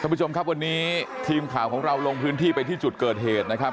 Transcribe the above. ผู้ชมครับวันนี้ทีมข่าวของเราลงพื้นที่ไปที่จุดเกิดเหตุนะครับ